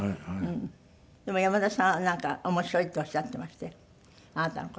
でも山田さんはなんか面白いっておっしゃっていましたよ